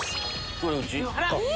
これうち。